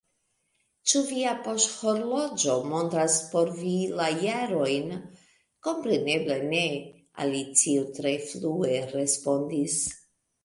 "Ĉu via poŝhorloĝo montras por vi la jarojn?" "Kompreneble ne!" Alicio tre flue respondis.